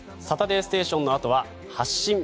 「サタデーステーション」のあとは「発進！